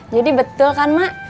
jadi betul kan mak